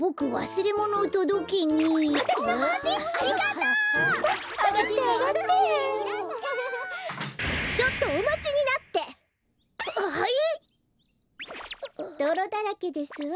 どろだらけですわ。